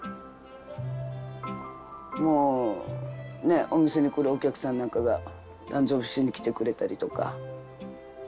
もうお店に来るお客さんなんかが誕生日しに来てくれたりとか。